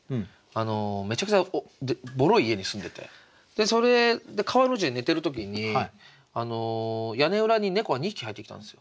めちゃくちゃボロい家に住んでてそれで川の字で寝てる時に屋根裏に猫が２匹入ってきたんですよ